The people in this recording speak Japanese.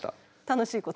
楽しいこと？